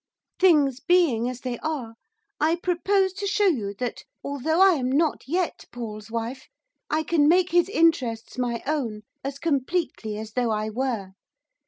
Things being as they are, I propose to show you that, although I am not yet Paul's wife, I can make his interests my own as completely as though I were.